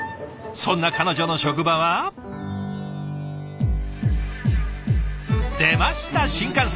そんな彼女の職場は。出ました新幹線！